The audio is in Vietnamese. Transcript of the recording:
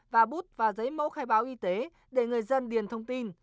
và bút và giấy mẫu khai báo y tế để người dân điền thông tin